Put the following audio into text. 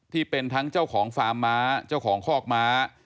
ที่เป็นทั้งเจ้าของฟาร์มม้าเจ้าของคอกม้า